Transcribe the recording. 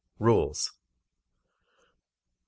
RULES 1.